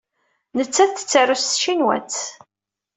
Nettat tettaru s tcinwat.